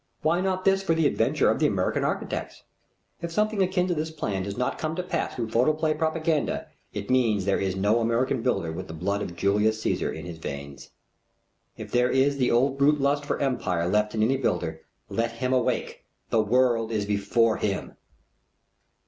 Why not this for the adventure of the American architects? If something akin to this plan does not come to pass through photoplay propaganda, it means there is no American builder with the blood of Julius Cæsar in his veins. If there is the old brute lust for empire left in any builder, let him awake. The world is before him.